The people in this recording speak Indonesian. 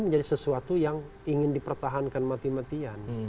menjadi sesuatu yang ingin dipertahankan mati matian